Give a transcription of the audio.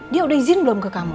dia udah izin belum ke kamu